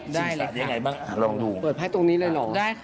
ได้เลยค่ะ